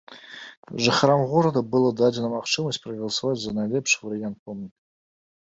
Жыхарам горада была дадзена магчымасць прагаласаваць за найлепшы варыянт помніка.